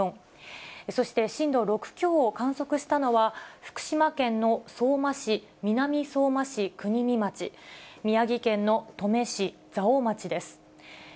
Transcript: そして震度６強を観測したのは、福島県の相馬市、南相馬市、国見町、宮城県の登米市、蔵王町です。